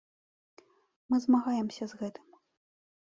Мы змагаемся з гэтым.